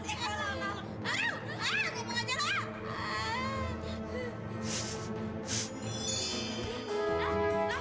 emang kalah tahun ya